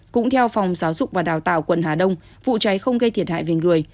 cũng theo phòng giáo dục và đào tạo quận hà đông vụ cháy không gây thiệt hại về người